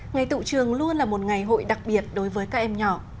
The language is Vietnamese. ngày tự trường luôn là một ngày hội đặc biệt đối với các em nhỏ